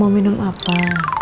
mbak mau minum apa